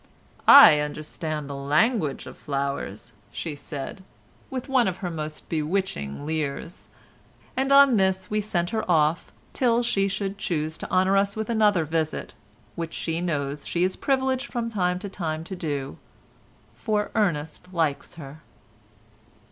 "I understand the language of flowers," she said, with one of her most bewitching leers, and on this we sent her off till she should choose to honour us with another visit, which she knows she is privileged from time to time to do, for Ernest likes her.